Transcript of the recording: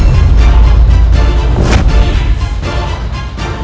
mereka berat hatilah